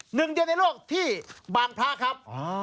หนึ่งเดียวในโลกที่บางพระครับ